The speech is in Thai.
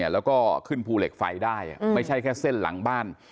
แล้วก็ขึ้นภูเหล็กไฟได้ไม่ใช่แค่เส้นหลังบ้าน